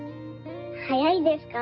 早いですか？